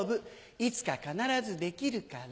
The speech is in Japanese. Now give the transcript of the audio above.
いつか必ずできるから。